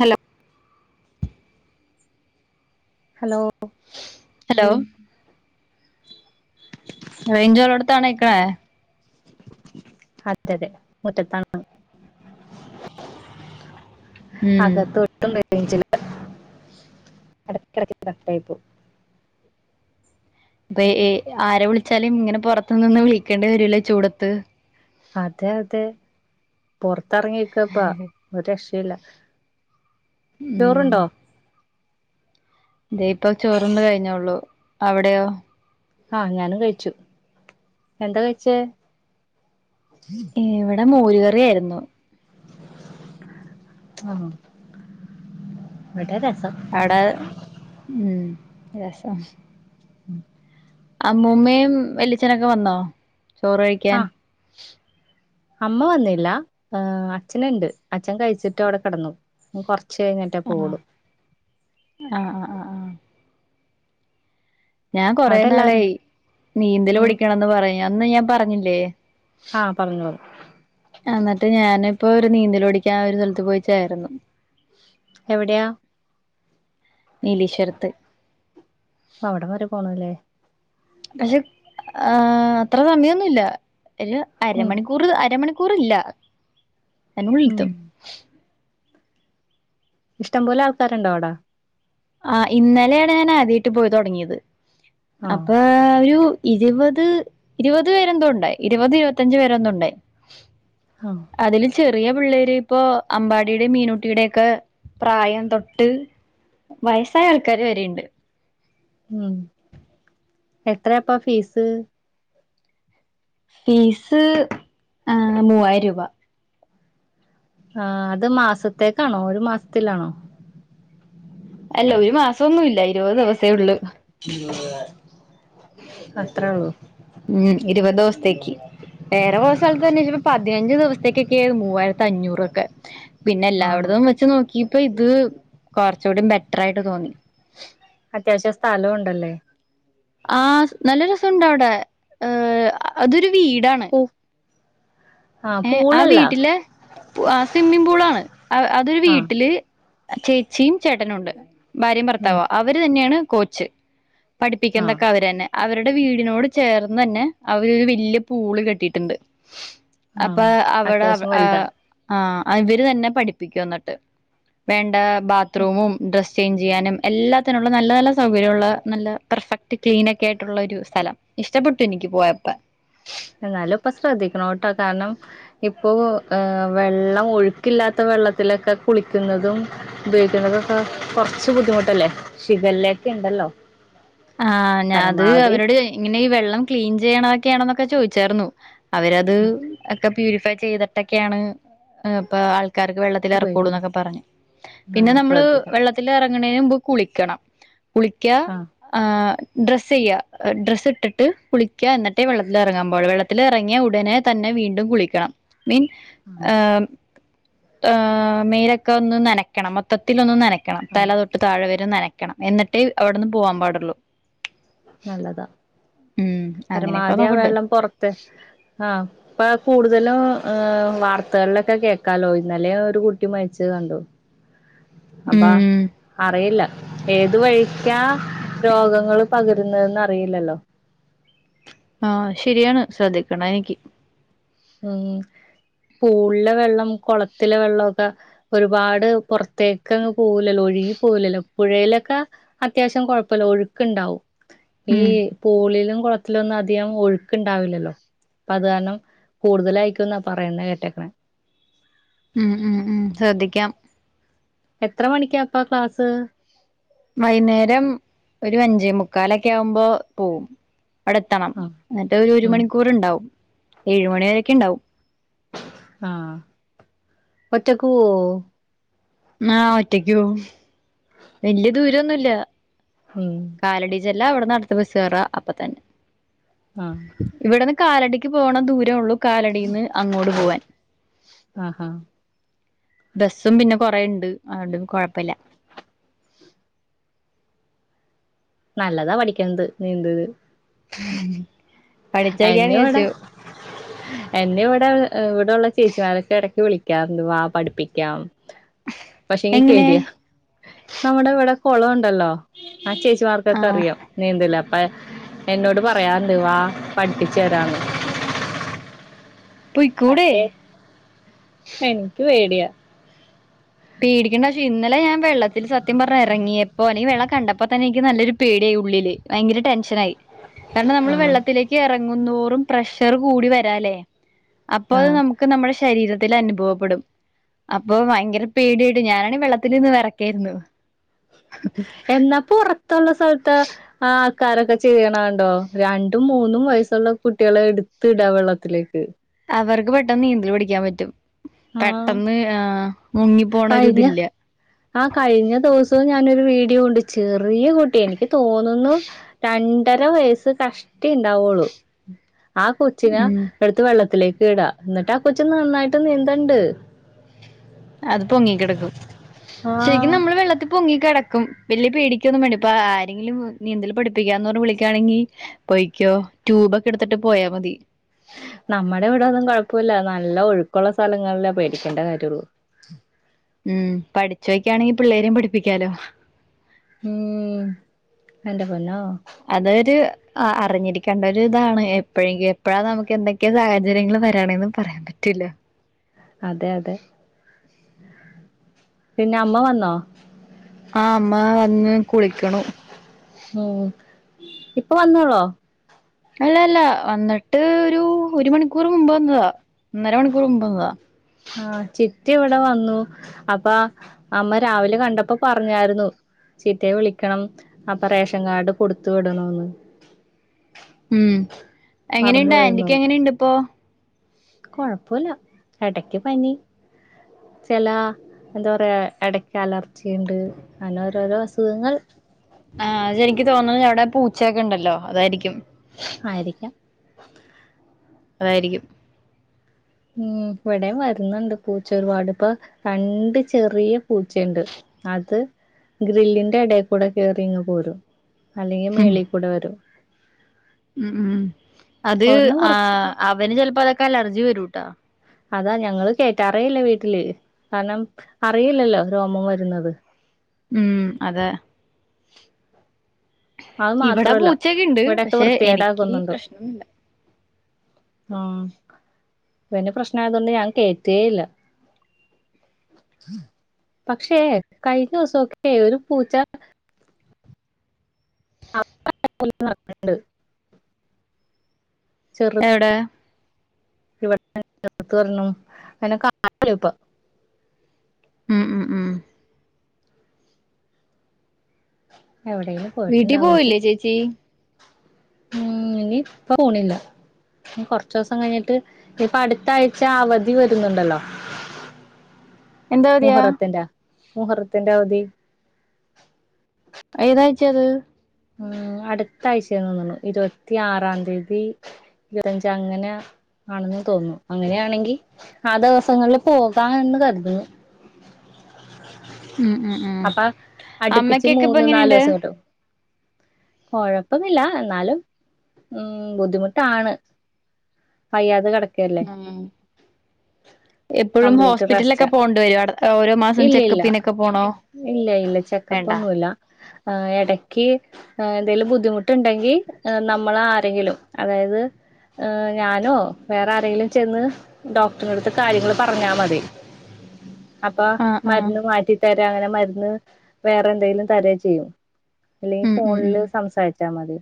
Hello hello hello range ഉള്ളോട്ത്താണോ നിക്ക്ണ അതെ അതെ മുറ്റത്താണ് ഉം [inaudible] അപ്പൊ ആരെ വിളിച്ചാലും ഇങ്ങനെ പുറത്തു നിന്ന് വിളിക്കേണ്ടി വരുവല്ലോ ചൂടത്ത് അതെ അതെ പുറത്തിറങ്ങി നിക്കപ്പ ഒരു രക്ഷയില്ല ഉം ചോറുണ്ടോ ഇത ഇപ്പൊ ചോറ്ന്ന് കഴിഞ്ഞള്ളൂ അവിടെയോ ആഹ് ഞാനും കഴിച്ചു എന്താ കഴിച്ചേ? ഇവിടെ മോരുകറിയായിരുന്നു ആഹ് ഇവിടെ രസം അവിടെ ഉം രസം ഉം അമ്മൂമ്മയും വെല്യച്ചനൊക്കെ വന്നോ ചോറ് കഴിക്കാൻ ആഹ് അമ്മ വന്നില്ല അച്ഛനുണ്ട് അച്ഛൻ കഴിച്ചിട്ട് അവിടെ കിടന്നു കൊറച്ച കഴിഞ്ഞ ആഹ് ആഹ് ആഹ് ആഹ് ഞാൻ അവിടെ എല്ലാരും കൊറെനാളായി നീന്തല് ഉം പിടിക്കണന്ന് പറയാ അന്ന് ഞാൻ പറഞ്ഞില്ലേ ആഹ് പറഞ്ഞു പറ ആഹ് എന്നിട്ട് ഞാനിപ്പോഒരു നീന്തല് പഠിക്കാൻ ഒരു സ്ഥലത്ത് പോയിചേർന്നു എവിടെയ നീലീശ്വരത്ത് അവിടം വരെ പോണല്ലേ പക്ഷെ ആഹ് അത്ര സമയമൊന്നുല്ല ഒരു ഉം അരമണിക്കൂർ ഒറ് അരമണിക്കൂറില്ല ഉം അതിനുള്ളിലെത്തും ഇഷ്ടം പോലെ ആൾക്കാരുണ്ടോ അവിടെ ആ ഇന്നലെയാണ് ഞാൻ ആദ്യയിട്ട് പോയി തുടങ്ങിയത് ആഹ് അപ്പൊ ഒരു ഇരുപത് ഇരുപത് പേരെന്തണ്ടായി ഇരുപത് ഇരുപത്തിഞ്ച് പേരെന്തണ്ടായി ആഹ് അതില് ചെറിയ പിള്ളേര് ഇപ്പൊ അമ്പാടിയുടെയും മീനുട്ടിയുടെ ഒക്കെ പ്രായം തൊട്ട് വയസ്സായ ആൾക്കാര് വരെയുണ്ട് ഉം എത്രപ്പ ഫീസ്? ഫീസ് ആ മൂവായിരം രൂപ ആഹ് അത് മാസത്തേക്കാണോ ഒരു മാസത്തിലാണോ അല്ല ഒരു മാസന്നുല്ല ഇരുപത് ദിവസേ ഉള്ളൂ അത്രേ ഉള്ളൂ ഉം ഇരുപത് ദിവസത്തേക്ക് വേറെ കുറ സ്ഥലത്ത് അന്വേഷിച്ചപ്പോ പതിനഞ്ചച് ദിവസത്തേക്കൊക്കെയ മൂവായിരത്തി അഞ്ഞൂറൊക്കെ പിന്നെ ആണോ എല്ലായിടത്തും വെച്ച് നോക്കിപ്പോ ഇത് കൊറച്ചുകൂടി ബെറ്റർ ആയിട്ട് തോന്നി അത്യാവശ്യ സ്ഥലം ഉണ്ടല്ലേ ആഹ് നല്ല രസണ്ടവിടെ ഏഹ് അതൊരു വീടാണ് ഓഹ് ഏഹ് ആഹ് വീട്ടിലെ സ്വിമ്മിഗ് പൂളാണ് അതൊരു ആ വീട്ടില് ചേച്ചിയും ചേട്ടനും ഉണ്ട് ഭാര്യയും ഭർത്താവ ഉം അവര് തന്നെയാണ് കോച്ച് ആ പഠിപ്പിക്കുന്നതൊക്കെ അവര് തന്നെ അവരുടെ വീടിനോട് ചേർന്ന് തന്നെ അവരൊര് വലിയ പൂള് കെട്ടിയിട്ടുണ്ട് ആ അപ്പൊ അവിടെ അത്യാവശ്യം വലുതാ ആഹ് ആഹ് ഇവര് തന്നെ പഠിപ്പിക്കും എന്നിട്ട് വേണ്ട ഉം ബാത്റൂമും ഡ്രസ് ചേഞ്ച് ചെയ്യാനും എല്ലാത്തിനുള്ള നല്ല നല്ല സൗകര്യള്ള നല്ല പെർഫെക്ട് ക്ലീനൊക്കെ ആയിട്ടുള്ള ഒരു സ്ഥലം ഇഷ്ടപ്പെട്ടു എനിക്ക് പോയപ്പ എന്നാലും ഇപ്പൊ ശ്രദ്ധിക്കണട്ടോ കാരണം ഇപ്പോ ഏഹ് വെള്ളം ഒഴുക്കില്ലാത്ത വെള്ളത്തിലൊക്കെ കുളിക്കുന്നതും ഉപയോഗിക്കുന്നതൊക്കെ കൊറച്ച് ബുദ്ധിമുട്ടല്ലേ ശിഖല്ല ഒക്കെണ്ടല്ലോ ആഹ് ഞാ അത് അവരോട് ഇങ്ങനെ ഈ വെള്ളം ക്ലീൻ ചെയ്യണതൊക്കെയാണെന്നൊക്കെ ചോദിച്ചായിരുന്നു അവരത് ആ ഒക്കെ പ്യൂരിഫൈ ചെയ്തിട്ടൊക്കെയാണ് ഇപ്പ ആൾക്കാർക്ക് വെള്ള വെള്ളത്തിൽ ഇറക്കൂള്ളൂ ഉപയോഗിക്കണം എന്നൊക്കെ പറഞ്ഞു പിന്നെ ആ നമ്മള് ശ്രദ്ധിക്കണം വെള്ളത്തി ഇറങ്ങ്ണീന്റെ മുമ്പ് കുളിക്കണം കുളിക്കാ ആ ആഹ് ഡ്രസ്സ്യ്യ ഡ്രെസ് ഇട്ടിട്ട് കുളിക്ക എന്നിട്ടേ വെള്ളത്തിൽ ഇറങ്ങാൻ പാടൊള്ളു വെള്ളത്തി വെള്ളത്തിൽ ഇറങ്ങിയ ഉടനെ തന്നെ വീണ്ടും കുളിക്കണം മീൻ ആ ഏഹ് ആഹ് മേലോക്കെ ഒന്ന് നനക്കണം മൊത്തത്തിൽ ഒന്ന് നനക്കണം ആ തല തൊട്ട താഴെ വരെ നനയ്ക്കണം എന്നിട്ടേ അവിടുന്ന് പോവാൻ പാടുള്ളൂ നല്ലതാ ഉം അങ്ങനെയൊക്കെ പരമാവധി ആഹ് നോക്കണ്ട്. വെള്ളം പൊറത്ത് ആഹ് ഇപ്പ കൂടുതലും വാർത്തകളിലൊക്കെ കേക്കാലോ ഇന്നലെ ഒരു കുട്ടി മരിച്ച കണ്ടു അപ്പാ ഉം അറിയില്ല ഏതു വഴിക്കാ രോഗങ്ങൾ പകരുന്നന്ന് അറിയില്ലല്ലോ ആഹ് ശരിയാണ് ശ്രദ്ധിക്കണ എനിക്കി മം പൂളിലെ വെള്ളം കുളത്തിലെ വെള്ളോക്ക ഒരുപാട് പൊറത്തേക്ക്ങ്ങ് പോവൂലല്ലോ ഒഴുകി പോവൂല ല്ലോ പുഴയിലൊക്ക അത്യാവശ്യം കോഴപ്പല്ല ഒഴുക്ക് ണ്ടാവും ഈ ഉം പൂളിലും കുളത്തിലൊന്നും അധികം ഒഴുക്ക് ഇണ്ടാവില്ലല്ലോ അപ്പൊ അത് കാരണം കൂടുതലായിക്കും ന്നാ പറയന്നെ കേട്ടെക് ണെ ഉം ഉം ഉം ശ്രദ്ധിക്കാം എത്ര മണിക്കാ പ്പാ ക്ലാസ് വൈന്നേരം ഒര് അഞ്ചേ മുക്കാലൊക്കെ ആകുമ്പോ പോകും അവിടെ എത്തണം ആഹ് എന്നിട്ട് ഒരു ഒരു ഉം മണിക്കൂർ ഉണ്ടാവും ഏഴുമണി വരക്കെ ണ്ടാവും ആഹ് ഒറ്റക്ക് പോവോ ആഹ് ഒറ്റക്ക് ഓവും വല്യ ദൂരൊന്നുല്ല മം കാലഡീജല്ല അവിടെന്ന അടുത്ത ബസ് കേറാ അപ്പതന്നെ ആഹ് ഇവിടന്ന് കാലടിക്ക് പോണ ദൂരോ ഉള്ളു കാലടിന്ന് അങ്ങോട് പോവാൻ ആഹാ ബസ്സും പിന്നെ കൊറേണ്ട് അതോണ്ട് കോഴപ്പല്ല നല്ലതാ പഠിക്കിന്നത് നീന്തല് പഠിച്ചോക്കന്ന് എന്നെ ഇവിടെ വിചാരിച്ചു എന്നെ ഇവിടെ ഇവിടെള്ള ചേച്ചിമാരൊക്കെ ഇടക്ക് വിളിക്കാറുണ്ട് വാ പഠിപ്പിക്കാം പക്ഷെങ്കി എങ്ങനെ പേടിയാ നമ്മുടെ ഇവിടെ കോളം ഉണ്ടല്ലോ ആഹ് ചേച്ചിമാർക്കൊക്കെ ആഹ് അറിയാം നീന്തല് അപ്പ എന്നോട് പറയാറ്ണ്ട് വാ പഠിപിച്ച് തരാന്ന് പൊയ്ക്കൂടെ പക്ഷെ എനിക്ക് പേടിയാ പേടിക്കണ്ട പക്ഷേ ഇന്നലെ ഞാൻ വെള്ളത്തിൽ സത്യം പറഞ്ഞ എറങ്ങി എപ്പോ അല്ലെങ്കി വെള്ളം കണ്ടപ്പോ തന്നെ നിക്ക് നല്ലൊരു പേടിയായി ഉള്ളില് ഭയങ്കര ടെൻഷൻ ആയി കാരണം നമ്മൾ ആഹ് വെള്ളത്തിലേക്ക് ഇറങ്ങുന്നോറും പ്രഷർ കൂടി വരാല്ലേ അപ്പൊ അത് ആഹ് നമുക്ക് ഒക്ക നമ്മടെ ശരീരത്തിൽ അനുഭവപ്പെടും അപ്പൊ ഭയങ്കര പേടിയായിട്ട് ഞാനാണെ വെള്ളത്തില് നിന്ന് വെറക്കായിരുന്നു എന്നാ പ്പോറത്തുള്ള സ്ഥലത്തോ ആഹ് ആൾക്കാരൊക്കെ ചെയ്യണണ്ടോ രണ്ടും മൂന്നും വയസ്സുള്ള കുട്ടിയാളെ എടുത്ത് ഇടാ വെള്ളത്തിലേക്ക് അവർക്ക് പെട്ടെന്ന് നീന്തല് പഠിക്കാൻ പറ്റും ആഹ് പെട്ടെന്ന് ആഹ് മുങ്ങി പോണ ഒര് ഇതില്ല ആഹ് കഴിഞ്ഞ ദവസോം ഞാനൊരു വീഡിയോ ഉണ്ട് ചെറിയ കുട്ടി എനിക്കി തോന്നുന്നു രണ്ടര വയസ്സ് കഷ്ട്ടി ഇണ്ടാവുള്ളു ആഹ് കൊച്ചിന ഉം എടുത്ത് വെള്ളത്തിലേക്ക് ഇടാ എന്നിട്ട് ആഹ് കൊച്ച് നന്നായിട്ട് നീന്തണ്ട് അത് പൊങ്ങിക്കിടക്കും ശരിക്കും ആഹ് നമ്മള് വെള്ളത്ത് പൊങ്ങി കടക്കും വലിയ പേടിക്കൊന്നും വേണ്ട പ്പൊ ആരെങ്കിലും നീന്തല് പഠിപ്പിക്കാന്ന് പറഞ് വിളിക്കയാണെങ്കി പോയിക്കോ ട്യൂബ് ഒക്കെ എടുത്തിട്ട് പോയാ മതി നമ്മടെ ഇവിടെ ഒന്നും കോഴപ്പോല്ല നല്ല ഒഴുക്കുള്ള സ്ഥലങ്ങളില പേടിക്കേണ്ട കാര്യള്ളൂ മം പഠിച്ചു വയ്ക്കായാണെങ്കിൽ പിള്ളേരെയും പഠിപ്പിക്കാലോ മം എന്റെ പോന്നോ അതൊരു ആഹ് അർഞ്ഞിരിക്കേണ്ട ഒരു ഇതാണ് എപ്പഴെങ്കും എപ്പഴാ നമുക്ക് എന്തൊക്കെ സാഹചര്യങ്ങൾ വരാണേന്ന് പറയാം പറ്റില്ല അതെ അതെ പിന്നെ അമ്മ വന്നോ ആഹ് അമ്മ വന്ന് കുളിക്കണു നോക് ഇപ്പൊ വന്ന്ണോ അല്ല അല്ല വന്നിട്ട് ഒരൂ ഒരു മണിക്കൂർ മുമ്പ് വന്നതാ ഒന്നര മണിക്കൂറ് മുമ്പ് വന്നതാ ആഹ് ചിറ്റ ഇവിടെ വന്നു അപ്പാ അമ്മ രാവിലെ കണ്ടപ്പോ പർഞ്ഞാര്ന്നു ചിറ്റയെ വിളിക്കണം അപ്പൊ റേഷൻ കാർഡ് കൊട്ത്തു വിടണോംന്ന് ഉം എങ്ങനെയിണ്ട് മറന്നു ആന്റിക്ക് എങ്ങനെയിണ്ട് ഇപ്പോ കൊഴപ്പൊല്ല എടക്ക് പനി ചെലാ എന്താ പറയാ എടയ്ക്ക് അലർജി ഇണ്ട് അങ്ങനെ ഓരോ രോ അസുഖങ്ങൾ ആഹ് അതെനിക്ക് തോന്നുണ് അവ്ടെ പൂച്ചയ്ക്കെ ണ്ടല്ലോ അതായിരിക്കും ആയിരിക്കാം അതായിരിക്കും ഉം ഇവിടെം വര്ന്ന്ണ്ട് പൂച്ച ഒരുപാട് ഇപ്പൊ രണ്ട് ചെറിയ പൂച്ചെണ്ട് അത് ഗ്രില്ലിന്റെ ഇടേക്കൂടെ കേറിംങ്ങ് പോരും അല്ലെങ്കീ മേളീ കൂടെ വരും ഉം ഉം അത് ഒരെണ്ണം കൊറച്ച് ആഹ് അവന് ചെൽപ്പതൊക്കെ അലർജി വരൂട്ടാ അതാ ഞങ്ങള് കേറ്റാറേയില്ലേ വീട്ടില് കാര്ണം അറിയില്ലല്ലോ രോമം വരുന്നത് ഉം അതെ അത് ഇവടെ മാത്രല്ല പൂച്ചക്കെ ഇണ്ട് പക്ഷെ എനിക്ക് പ്രശ്നൊന്നുംല്ല ആഹ് പിന്നെ പ്രശ്നം യതൊണ്ട് ഞാൻ കേറ്റേയില്ല പക്ഷേ കഴിഞ്ഞവ്സൊക്കെ ഒരു പൂച്ച [unintelligible] നടക്ക്ണ്ട് എവ്ടെ ഇവിട് തന്നെ [unintelligible] കാണാലോ പ്പൊ ഉം ഉം ഉം എവിടെയെങ്കിലും വീട്ടീ പോയിട്ടുണ്ടാവായിരിക്കും പോവല്ലേ ചേച്ചീ ഉം ഇനി യിപ്പ പോണില്ല കൊർച്ചോസം കഴിഞ്ഞിട്ട് ഇപ്പ അട്ത്ത ആഴ്ച അവധി വര്ന്ന്ണ്ടല്ലോ [inaudible] പതിയാ മുഹറത്തിന്റെ മുഹറത്തിന്റെ അവധി അയ് ഏതായ്ച്ചെ അത് ഉം അട്ത്ത ആഴ്ചെം തോന്നുണു ഇരുപത്തി ആറാം തീയതീ ഇരുത്തഞ്ച് അങ്ങനെ ആണെന്ന് തോന്നു അങ്ങനെയാണെങ്കി ആഹ് ദിവസങ്ങൾല് പോകാംന്ന് കര്ത് ന്ന് ഉം ഉം ഉം അപ്പാ അട്പ്പിച്ച് അമ്മയ്ക്കൊക്കെ ഇപ്പൊ മൂന്ന് എങ്ങനെയുണ്ട് നാലോസം കിട്ടും കൊഴപ്പമില്ല എന്നാലും ഉം ബുദ്ധിമുട്ടാണ് വയ്യാതെ കെട ഉം എപ്പഴും കംപ്ലീറ്റ് ഹോസ്പിറ്റലൊക്കെ റെസ്റ്റാ പോണ്ട് വരോ അടെ ഓരോ മാസം ഇല്ലില്ല ചെക്കപ്പിനെക്കെ പോണോ ഇല്ല ഇല്ല ചെക്കപ്പ് വേണ്ട ഒന്നുംല്ല ഏഹ് എടക്ക് ഏഹ് എന്തെലും ബുദ്ധിമുട്ട് ണ്ടെങ്കി നമ്മള് ആരെങ്കിലും അതായത് ഏഹ് ഞാനോ വേറെ ആരെലും ചെന്ന് ഡോക്ടറെടുത്ത് കാര്യങ്ങള് പറഞ്ഞാ മതി [inaudible] അപ്പാ ആഹ് ആഹ് മര്ന്ന് മാറ്റി തരാ അങ്ങനെ മര്ന്ന് വേറെ എന്തെലും തരെ ചിയ്യും ഇല്ലേ ഉം ഉം ഉം ഫോൺല് സംസാരിച്ചാ മതി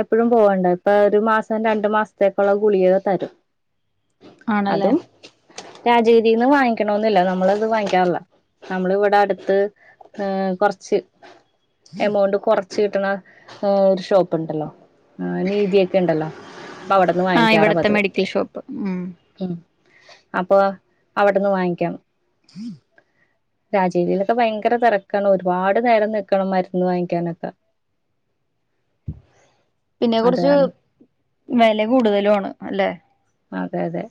എപ്പഴും പോവണ്ട ഇപ്പൊ ഒരു മാസം രണ്ട് മാസ്ത്തേക്കുള്ള ഗുളിക തരും ആണല്ലേ അതും രാജയ്തീന്ന് വാങ്ങിക്കണൊന്നില്ല നമ്മളത് വാങ്ങിക്കാർല്ല നമ്മള്ള് ഇവടെ അട്ത്ത് ഹ് കൊറച്ച് എമൗണ്ട് കൊറ ക്ക്ട്ട്ണ ഹ് ഒരു ഷോപ്പ് ഇണ്ടല്ലോ അഹ് നീതി ഒക്കെ ഇണ്ടല്ലോ അപ്പ അവടന്ന് ആ വാങ്ങിക്കാറ ഇവിടത്തെ പതിവ് മെഡിക്കൽ ഷോപ്പ് ഉം മ് അപ്പൊ അവട്ന്ന് വാങ്ങിക്കാം രാജീവീലൊക്കെ ഭയങ്കര തെരക്കാണ് ഒരുപാട് നേരം നിക്കണം മരുന്ന് വാങ്ങിക്കാനൊക്കെ പിന്നെ അത് കൊറച്ച് കാരണം വെല കൂടുതലുആണ് അല്ലെ അതെ അതെ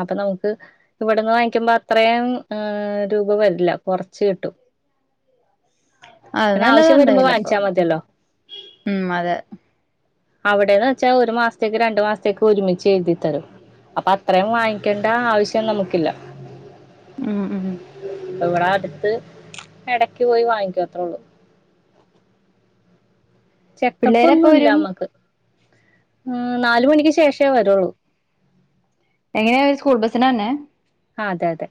അപ്പ നമുക്ക് ഇവിടന്ന് വാങ്ങിക്കുമ്പോ അത്രേം ഹ് രൂപ വരില്ല കൊറച്ച് കിട്ടും അത് പിന്നെ നല്ലത ആവശ്യം വരുമ്പോ എന്തായാലപ്പൊ വാങ്ങിച്ചാ മതിയല്ലോ ഉം അതെ അവടെന്ന് വെച്ചാ ഒരു മാസ്ത്തേക്ക് രണ്ട് മാസ്ത്തേക്ക് ഒരുമിച്ച് എഴുതിത്തരും അപ്പ അത്രേം വാങ്ങിക്കേണ്ട ആവിശ്യം നമുക്കില്ല ഉം ഉം ഇവടെ അട്ത്ത് എടക്ക് പോയി വാങ്ങിക്കും അത്രേ ഒള്ളൂ പിള്ളേരെപ്പ ചെക്കപ്പൊന്നും ഇല്ല വരും നമ്മക്ക് ഹ് നാല് മണിക്ക് ശേഷെ വെരൊള്ളൂ എങ്ങനെ അവര് സ്കൂൾ ബസ്സിനാന്നെ ആഹ് അതെ അതെ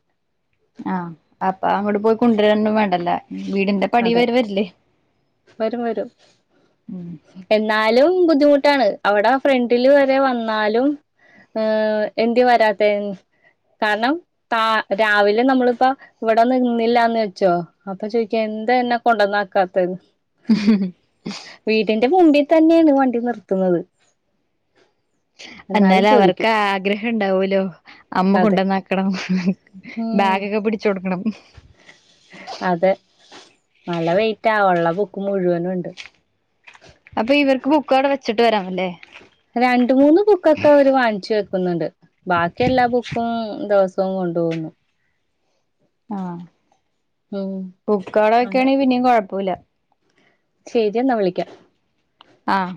ആഹ് ആപ്പാ അങ്ങോട്ട് പോയി കൊണ്ടരന്നും വേണ്ടല്ല വീടിന്റെ പടി അതെ വരേ വര്ല്ലേ വരും വരും ഉം എന്നാലും ബുദ്ധിമുട്ടാണ് അവടെ ഫ്രണ്ടില് വരെ വന്നാലും ഉം എന്ത്യെ വരാത്തെ കാരണം താ രാവിലെ നമ്മള്പ്പോ ഇവടെ നിന്നിലാന്ന് വെച്ചോ അപ്പ ചോ എന്താ ഇന്നെ കൊണ്ടന്നാക്കാത്ത്ന്ന് വീടിന്റെ മുമ്പി തന്നേണ് വണ്ടി നിർത്ത്ന്നത് എന്നാലും അവർക്ക് ചോദിക്കും ആഗ്രഹം ഇണ്ടാവൊലോ അമ്മ അതെ കൊണ്ടന്നാക്കണം ഉം ബാഗൊക്കെ പിടിച്ച് ഒടുക്കണം അതെ നല്ല വെയ്റ്റാ ഒള്ള ബുക്ക് മുഴുവനുണ്ട് അപ്പാ ഇവർക്ക് ബുക്ക് അവടെ വെച്ചിട്ട് വരാമല്ലേ രണ്ട് മൂന്ന് ബുക്കൊക്കെ അവര് വാങ്ങിച്ചു വെക്കുന്നുണ്ട് ബാക്കി എല്ലാ ബുക്കും ദിവസും കൊണ്ടു പോവുന്നു ആഹ് ഉം ബുക്കവട വെക്കാണെകി പിനിം കൊഴപോല്ല ശെരി എന്നാ വിളിക്കാം ആഹ്